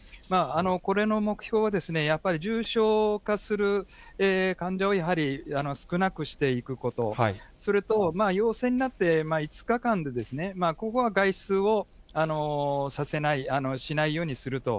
これの目標は、やっぱり重症化する患者をやはり少なくしていくこと、それと、陽性になって５日間で、ここは外出をさせない、しないようにすると。